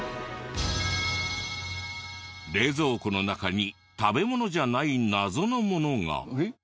冷蔵庫の中に食べ物じゃない謎のものが。